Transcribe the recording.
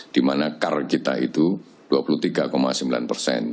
di mana car kita itu dua puluh tiga sembilan persen